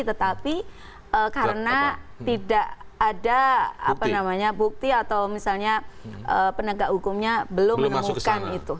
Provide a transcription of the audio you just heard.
tetapi karena tidak ada bukti atau misalnya penegak hukumnya belum menemukan itu